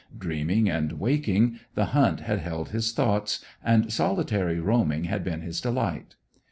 Dreaming and waking, the hunt had held his thoughts, and solitary roaming had been his delight.